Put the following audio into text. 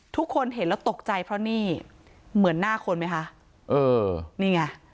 ทุกคนเห็นแล้วตกใจเพราะนี่เหมือนหน้าคนไหมคะเออนี่ไง